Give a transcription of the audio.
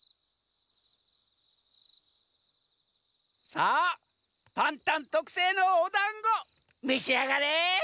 さあパンタンとくせいのおだんごめしあがれ！